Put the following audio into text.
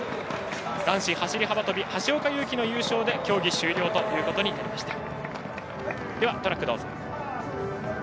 男子走り幅跳び橋岡優輝の優勝で競技終了となりました。